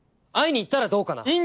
会いに行ったらどうかな？